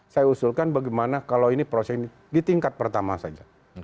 saya usulkan bagaimana kalau ini proses ini di tingkat pertama saja